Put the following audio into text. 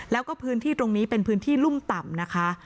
แล้วก็พื้นที่ตรงนี้เป็นพื้นที่รุ่มต่ำนะคะ